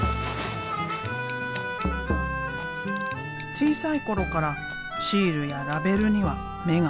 小さい頃からシールやラベルには目がなかった。